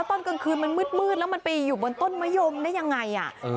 ตอนกลางคืนมันมืดแล้วมันไปอยู่บนต้นมะยมได้ยังไง